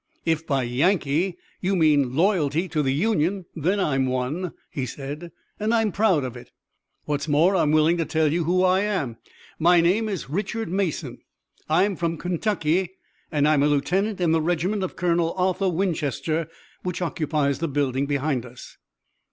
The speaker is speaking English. "If by Yankee you mean loyalty to the Union then I'm one," he said, "and I'm proud of it. What's more I'm willing to tell who I am. My name is Richard Mason. I'm from Kentucky, and I'm a lieutenant in the regiment of Colonel Arthur Winchester, which occupies the building behind us."